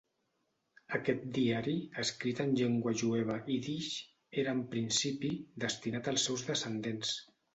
Aquest diari, escrit en llengua jueva ídix, era en principi, destinat als seus descendents.